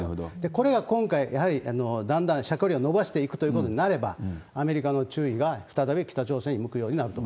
これが今回、やはりだんだん射距離を伸ばしていくということになれば、アメリカの注意が再び北朝鮮に向くようになると。